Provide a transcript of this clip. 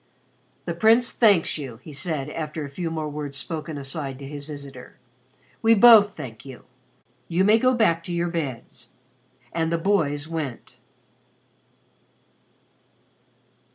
"The Prince thanks you," he said after a few more words spoken aside to his visitor. "We both thank you. You may go back to your beds." And the boys went.